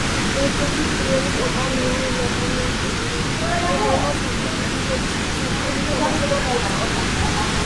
ერთ-ერთი პირველი კომპანიაა იაპონიაში, რომელმაც ავტომობილების მასობრივი გამოშვება დაიწყო.